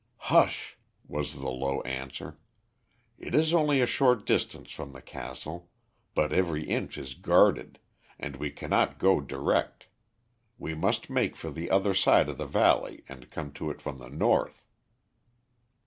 "Hush!" was the low answer. "It is only a short distance from the castle, but every inch is guarded, and we cannot go direct; we must make for the other side of the valley and come to it from the north."